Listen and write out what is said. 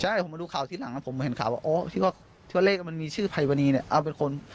ใช่ผมมาดูข่าวที่หลังแล้วผมเห็นข่าวว่าโอ้ที่ว่าเลขมันมีชื่อไพรมณีเนี่ย